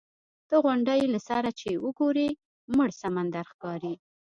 د غونډۍ له سره چې وګورې مړ سمندر ښکاري.